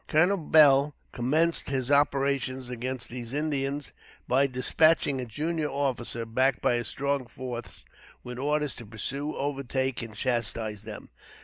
Colonel Beall commenced his operations against these Indians by dispatching a junior officer, backed by a strong force, with orders to pursue, overtake, and chastise them.